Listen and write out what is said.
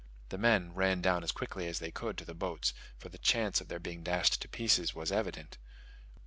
The men ran down as quickly as they could to the boats; for the chance of their being dashed to pieces was evident.